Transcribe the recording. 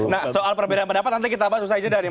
nah soal perbedaan pendapat nanti kita bahas usai jeda nih